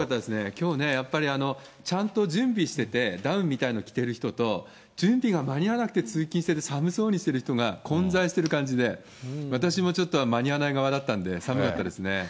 きょうね、やっぱりちゃんと準備してて、ダウンみたいなの着てる人と、準備が間に合わなくて通勤してる、、寒そうにしてる人が混在してる感じで、私もちょっと、間に合わない側だったんで、寒かったですね。